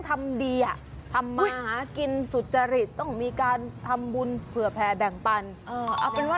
ที่พูดมาทั้งหมดเนี่ยค่ะ